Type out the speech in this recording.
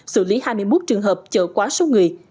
xử lý hai mươi một trường hợp chở quá số người